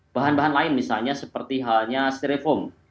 bahan bahan lain misalnya seperti halnya stereofoam